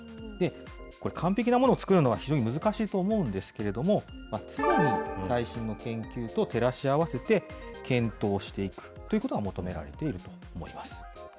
これ、完璧なものを作るのは非常に難しいと思うんですけれども、常に最新の研究と照らし合わせて、検討していくということが求められていると思います。